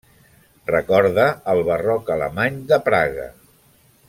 Recorda el barroc alemany de Praga.